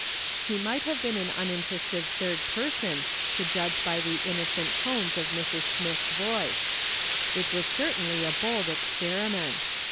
" He might have been an uninterested third person, to judge by the innocent tones of Mrs. Smith's voice. It was certainly a, bold experiment.